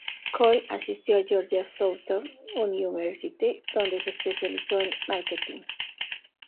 Cole asistió a Georgia Southern University, donde se especializó en marketing.